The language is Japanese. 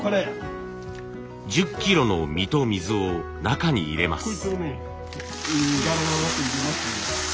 １０キロの実と水を中に入れます。